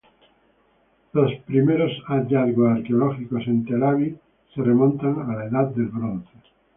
Los primeros hallazgos arqueológicos en Telavi se remontan a la Edad del Bronce.